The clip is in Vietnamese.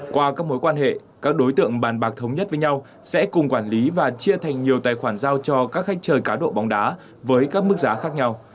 qua các mối quan hệ các đối tượng bàn bạc thống nhất với nhau sẽ cùng quản lý và chia thành nhiều tài khoản giao cho các khách chơi cá độ bóng đá với các mức giá khác nhau